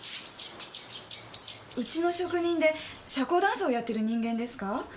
うちの職人で社交ダンスをやってる人間ですか？